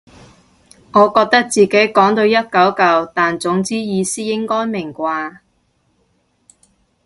我覺得自己講到一嚿嚿但總之意思應該明啩